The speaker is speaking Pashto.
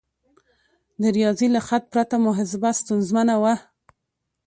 د ریاضي له خط پرته محاسبه ستونزمنه وه.